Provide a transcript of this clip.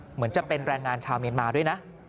เหมือนจะเป็นแรงงานชาวเมียนมาด้วยนะ